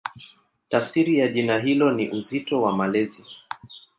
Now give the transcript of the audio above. Tafsiri ya jina hilo ni "Uzito wa Malezi".